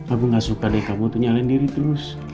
aku gak suka deh kamu tuh nyalain diri terus